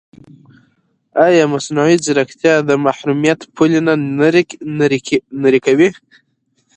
ایا مصنوعي ځیرکتیا د محرمیت پولې نه نری کوي؟